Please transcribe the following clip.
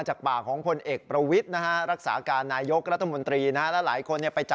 ชมดูข่าวกับเรา